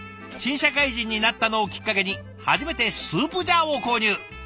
「新社会人になったのをきっかけに初めてスープジャーを購入。